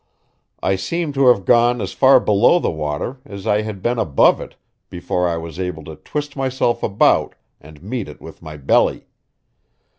I seemed to have gone as far below the water as I had been above it before I was able to twist myself about and meet it with my belly.